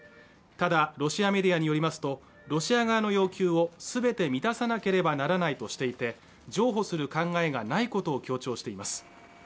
ただロシアメディアによりますとロシア側の要求を全て満たさなければならないとしていて譲歩する考えがないことを強調しています